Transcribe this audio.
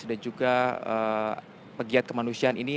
dan juga pegiat kemanusiaan ini